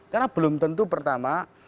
karena belum tentu pertama